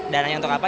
dananya untuk apa